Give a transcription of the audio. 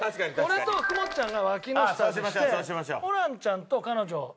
俺とふくもっちゃんがわきの下にしてホランちゃんと彼女じゃあひざの下で。